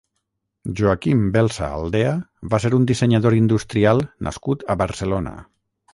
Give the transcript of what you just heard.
Joaquim Belsa Aldea va ser un dissenyador industrial nascut a Barcelona.